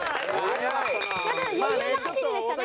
余裕の走りでしたね。